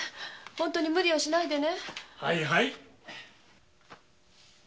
本当に無理をしないでね。